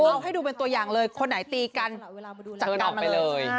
เอาให้ดูเป็นตัวอย่างเลยคนไหนตีกันจัดการอะไรเลย